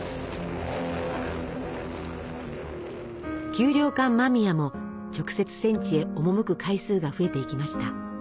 給糧艦間宮も直接戦地へ赴く回数が増えていきました。